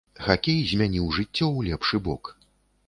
Хакей змяніў жыццё ў лепшы бок.